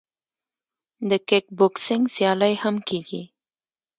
د کیک بوکسینګ سیالۍ هم کیږي.